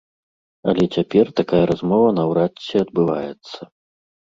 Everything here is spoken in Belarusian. Але цяпер такая размова наўрад ці адбываецца.